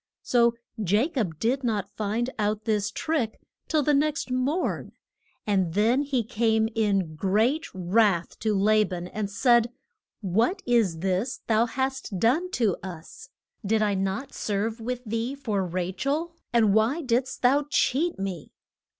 So Ja cob did not find out this trick till the next morn, and then he came in great wrath to La ban and said, What is this thou hast done to us? Did I not serve with thee for Ra chel? and why did'st thou cheat me?